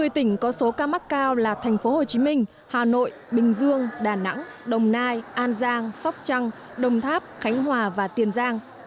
một mươi tỉnh có số ca mắc cao là thành phố hồ chí minh hà nội bình dương đà nẵng đồng nai an giang sóc trăng đồng tháp khánh hòa và tiền giang